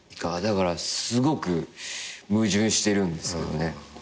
だからすごく矛盾してるんですけどね。